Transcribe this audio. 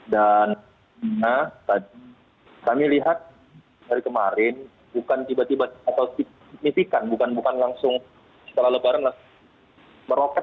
dan nah tadi kami lihat dari kemarin bukan tiba tiba atau signifikan bukan langsung setelah lebaran meroket